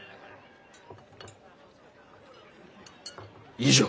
以上。